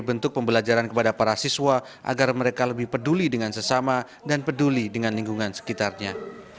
bentuk pembelajaran kepada para siswa agar mereka lebih peduli dengan sesama dan peduli dengan lingkungan sekitarnya